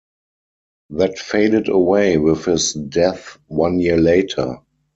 That faded away with his death one year later.